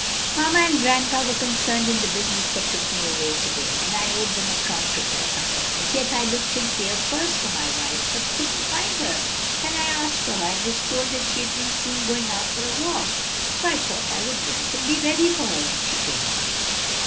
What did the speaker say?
"Mamma and grandpa were concerned in the business that took me away to day, and I owed them a prompt report upon it; yet I looked in here first for my wife, but couldn't find her; then I asked for her, and was told that she had been seen going out for a walk. So I thought I would dress and be ready for her when she came in."